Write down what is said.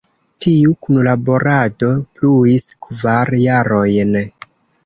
Tiu kunlaborado pluis kvar jarojn.